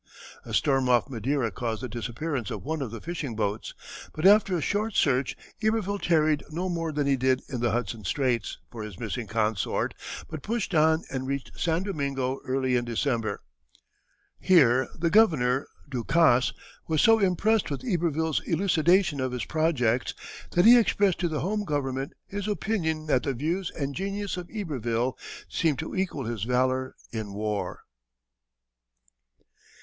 A storm off Madeira caused the disappearance of one of the fishing boats, but after a short search Iberville tarried no more than he did in the Hudson Straits for his missing consort, but pushed on and reached San Domingo early in December. Here the governor, Ducasse, was so impressed with Iberville's elucidation of his projects that he expressed to the home government his opinion that the views and genius of Iberville seemed to equal his valor in war.